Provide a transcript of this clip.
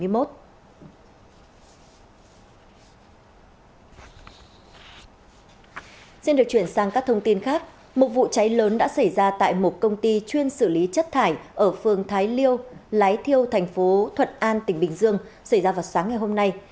một vụ cháy lớn đã xảy ra tại một công ty chuyên xử lý chất thải ở phương thái liêu lái thiêu thành phố thuận an tỉnh bình dương xảy ra vào sáng ngày hôm nay